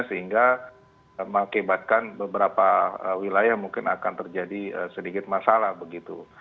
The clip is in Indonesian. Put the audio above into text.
sehingga mengakibatkan beberapa wilayah mungkin akan terjadi sedikit masalah begitu